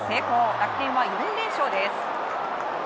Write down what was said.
楽天は４連勝です。